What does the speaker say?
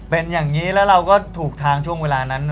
เป็นอย่างนี้แล้วเราก็ถูกทางช่วงเวลานั้น